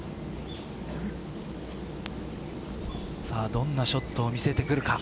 どんなショットを見せてくるか。